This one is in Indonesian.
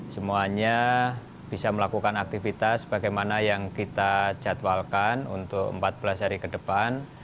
semuanya bisa melakukan aktivitas bagaimana yang kita jadwalkan untuk empat belas hari ke depan